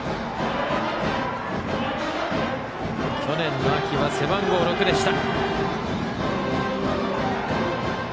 去年秋は背番号６でした。